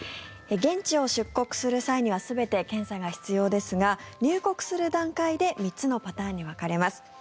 現地を出国する際には全て検査が必要ですが入国する段階で３つのパターンに分かれます。